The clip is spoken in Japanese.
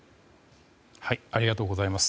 ありがとうございます。